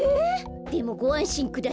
でもごあんしんください。